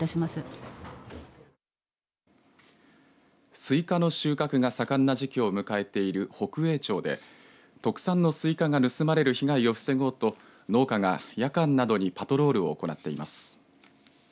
スイカの収穫が盛んな時期を迎えている北栄町で特産のスイカが盗まれる被害を防ごうと農家が夜間などにパトロールを行っています。